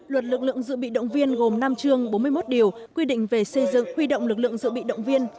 luật lực lượng dự bị động viên gồm năm chương bốn mươi một điều quy định về xây dựng huy động lực lượng dự bị động viên